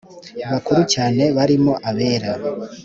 Bakuru cyane barimo abera